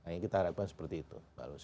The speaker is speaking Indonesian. yang kita harapkan seperti itu